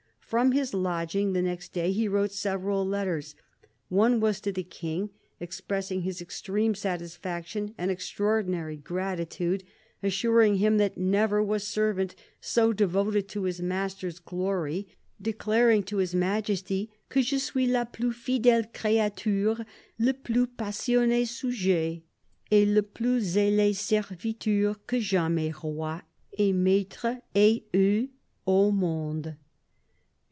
From his lodging, the next day, he wrote several letters. One was to the King, expressing his extreme satisfaction and extraordinary gratitude, assur ing him that never was servant so devoted to his master's glory, declaring to His Majesty " que je suis la plus fidfele creature, le plus passionne sujet, et le plus zel6 serviteur que jamais roy et maitre ait eu au monde.